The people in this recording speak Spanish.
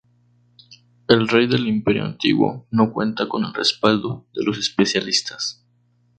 El rey del imperio antiguo no cuenta con el respaldo de los especialistas.